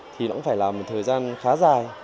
thì nó cũng phải là một thời gian khá dài